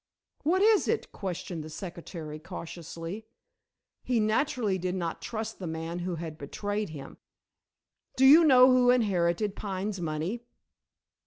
"What is it?" questioned the secretary cautiously. He naturally did not trust the man who had betrayed him. "Do you know who has inherited Pine's money?"